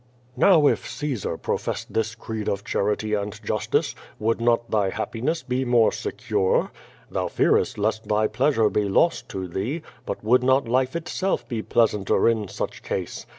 Kow if Caesar professed this creed of charity and justice, would not thy happiness be more secure? Thou fearest lest thy pleasure be lost to thee, but would not life itself be pleasanter in such case?